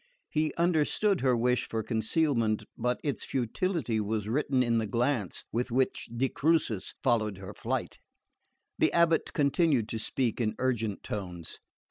He understood her wish for concealment, but its futility was written in the glance with which de Crucis followed her flight. The abate continued to speak in urgent tones.